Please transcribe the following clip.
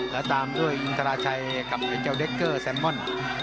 และตามด้วยอินทราชัยกับเจ้าเดคเกอร์แซมม่อน